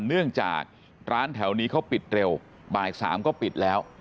เนื่องจากร้านแถวนี้เขาปิดเร็วบ่าย๓ก็ปิดแล้ว